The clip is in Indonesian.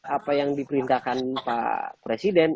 apa yang diperintahkan pak presiden